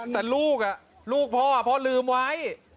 แต่ลูกลูกพ่อพ่อลืมไว้